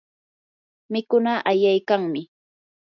mikunaa ayaykanmi.